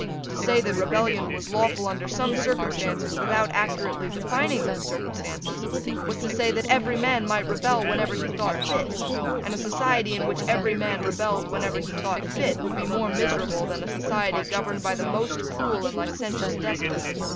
To say that rebellion was lawful under some circumstances, without accurately defining those circumstances, was to say that every man might rebel whenever he thought fit; and a society in which every man rebelled whenever he thought fit would be more miserable than a society governed by the most cruel and licentious despot.